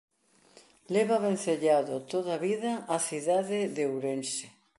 Leva vencellado toda a vida á cidade de Ourense.